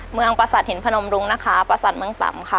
ประสาทหินพนมรุงนะคะประสาทเมืองต่ำค่ะ